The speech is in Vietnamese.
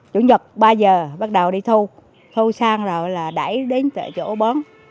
chủ nhật ba giờ bắt đầu đi thu thu sang rồi là đẩy đến chỗ bón